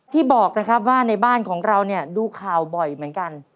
ที่บอกนะครับว่าในบ้านของเราเนี่ยดูข่าวบ่อยเหมือนกัน